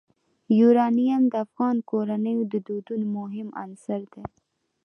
یورانیم د افغان کورنیو د دودونو مهم عنصر دی.